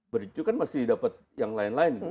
berikutnya kan masih dapat yang lain lain